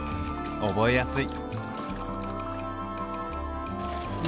覚えやすい！